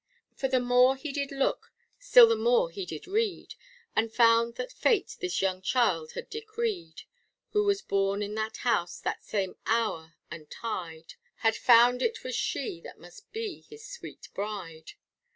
For the more he did look, still the more he did read, And found that fate this young child had decreed, Who was born in that house that same hour and tide Had found it was she that must be his sweet bride.